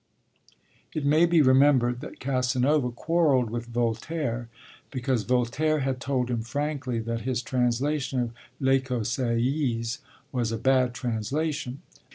It may be remembered that Casanova quarrelled with Voltaire, because Voltaire had told him frankly that his translation of L'Écossaise was a bad translation.